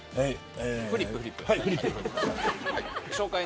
フリップ、フリップ。